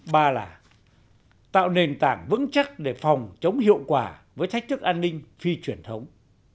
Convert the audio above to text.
ba là tạo nền tảng vững chắc để phòng chống hiệu quả với thách thức an ninh phi truyền thống